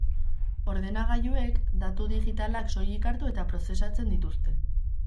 Ordenagailuek datu digitalak soilik hartu eta prozesatzen dituzte.